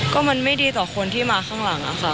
ก็มันไม่ดีต่อคนที่มาข้างหลังอะค่ะ